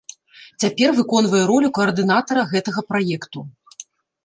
Цяпер выконвае ролю каардынатара гэтага праекту.